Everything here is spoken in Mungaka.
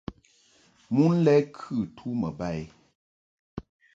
Mon lɛ kɨ tu mbo ba i.